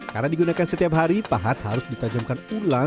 karena digunakan setiap hari pahat harus ditanamkan ulang